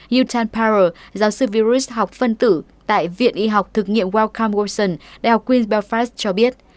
yutan paro giáo sư virus học phân tử tại viện y học thực nghiệm wellcome wilson đại học queen s belfast cho biết